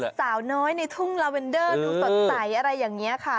เหมือนแบบสาวน้อยในทุ่งลาเวนเดอร์ดูสนใจอะไรอย่างนี้ค่ะ